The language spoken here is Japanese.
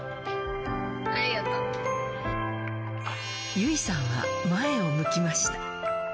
優生さんは前を向きました。